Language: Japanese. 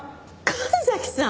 神崎さん！